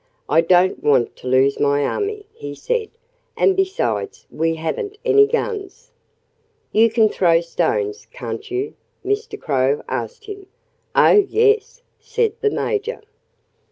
"I don't want to lose my army," he said. "And besides we haven't any guns." "You can throw stones, can't you?" Mr. Crow asked him. "Oh, yes!" said the Major.